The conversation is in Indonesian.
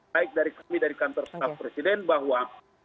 baik dari kami dari kantor staf presiden bahwa